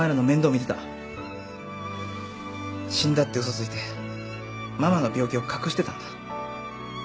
死んだって嘘ついてママの病気を隠してたんだ。